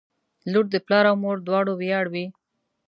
• لور د پلار او مور دواړو ویاړ وي.